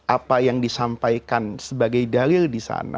apa yang disampaikan sebagai dalil dan yang diberikan oleh allah